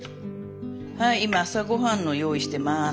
はい今朝ごはんの用意してます。